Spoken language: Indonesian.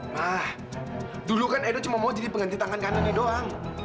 ma dulu kan edo cuma mau jadi penghenti tangan kanan edo ang